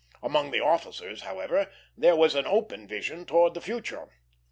Among the officers, however, there was an open vision towards the future.